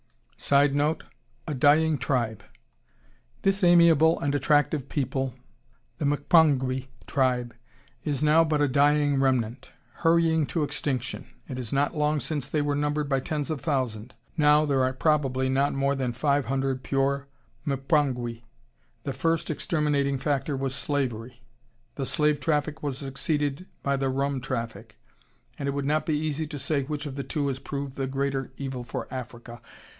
[Sidenote: "A Dying Tribe."] This amiable and attractive people, the Mpongwe tribe, is now but a dying remnant, hurrying to extinction. It is not long since they were numbered by tens of thousands; now there are probably not more than five hundred pure Mpongwe.... The first exterminating factor was slavery.... The slave traffic was succeeded by the rum traffic; and it would not be easy to say which of the two has proved the greater evil for Africa....